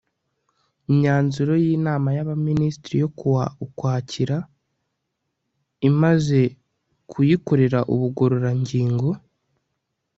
imyanzuro y'inama y'abaminisitiri yo kuwa ukwakira , imaze kuyikorera ubugororangingo